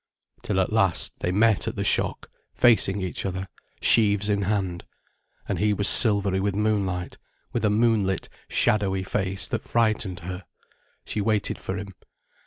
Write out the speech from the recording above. Till at last, they met at the shock, facing each other, sheaves in hand. And he was silvery with moonlight, with a moonlit, shadowy face that frightened her. She waited for him.